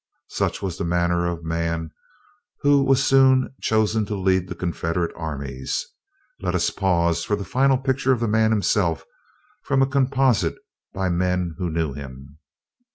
Such was the manner of man who was soon chosen to lead the Confederate armies. Let us pause for a final picture of the man himself, from a composite by men who knew him.